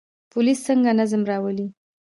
پولیس څنګه نظم راولي؟